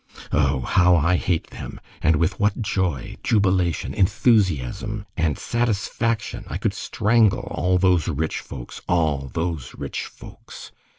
Oh! how I hate them, and with what joy, jubilation, enthusiasm, and satisfaction I could strangle all those rich folks! all those rich folks!